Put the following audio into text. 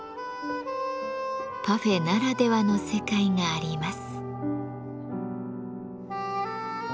パフェならではの世界があります。